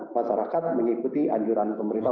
masyarakat mengikuti anjuran pemerintah